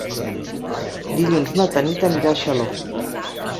Dilluns na Tanit anirà a Xaló.